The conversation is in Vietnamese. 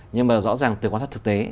nhưng mà rõ ràng từ quan sát thực tế